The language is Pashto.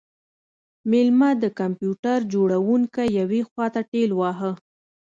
میلمه د کمپیوټر جوړونکی یوې خواته ټیل واهه